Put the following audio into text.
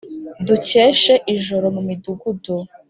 Dukeshe ijoro mu midugudu,